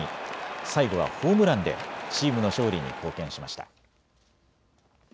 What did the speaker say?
最後はホームランでチームの勝利に貢献しました。